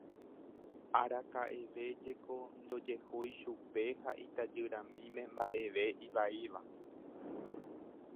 Araka'eve jeko ndojehúi chupe ha itajyramíme mba'eve ivaíva.